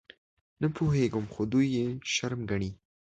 _نه پوهېږم، خو دوی يې شرم ګڼي.